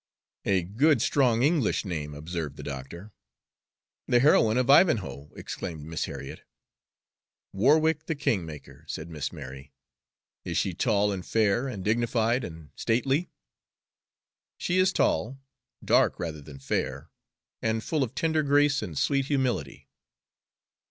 "A good, strong old English name," observed the doctor. "The heroine of 'Ivanhoe'!" exclaimed Miss Harriet. "Warwick the Kingmaker!" said Miss Mary. "Is she tall and fair, and dignified and stately?" "She is tall, dark rather than fair, and full of tender grace and sweet humility."